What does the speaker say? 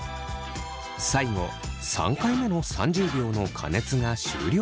最後３回目の３０秒の加熱が終了しました。